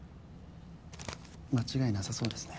間違いなさそうですね。